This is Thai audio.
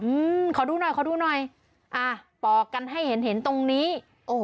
อืมขอดูหน่อยขอดูหน่อยอ่าปอกกันให้เห็นเห็นตรงนี้โอ้